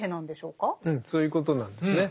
うんそういうことなんですね。